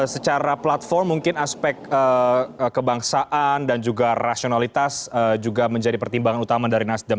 secara platform mungkin aspek kebangsaan dan juga rasionalitas juga menjadi pertimbangan utama dari nasdem